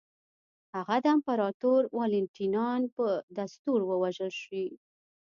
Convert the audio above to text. هغه د امپراتور والنټینیان په دستور ووژل شي.